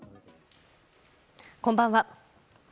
こんばんは。